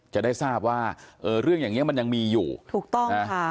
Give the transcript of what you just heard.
จะได้ทราบว่าเรื่องอย่างนี้มันยังมีอยู่ถูกต้องนะคะ